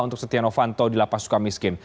untuk setia novanto di lapas suka miskin